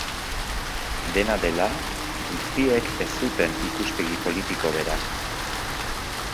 Dena dela, guztiek ez zuten ikuspegi politiko bera.